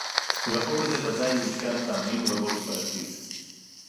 והחוק הזה ודאי יעודכן פעמים רבות בעתיד